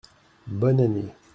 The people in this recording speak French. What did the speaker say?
Bonne année !